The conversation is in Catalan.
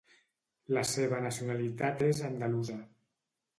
La seva nacionalitat és andalusa.